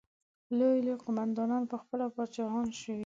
لوی لوی قوماندانان پخپله پاچاهان شوي.